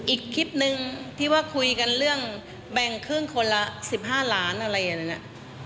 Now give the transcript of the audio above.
อีกคลิปนึงที่ว่าคุยกันเรื่องแบ่งครึ่งคนละ๑๕ล้านอะไรอย่างนี้นะ